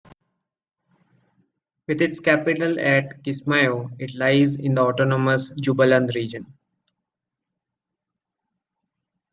With its capital at Kismayo, it lies in the autonomous Jubaland region.